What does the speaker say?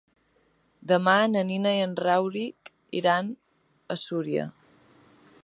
Demà na Nina i en Rauric iran a Súria.